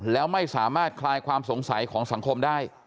แล้วไม่สามารถคลายความสงสัยของสังคมได้